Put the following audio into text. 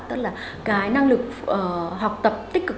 tức là cái năng lực học tập tích cực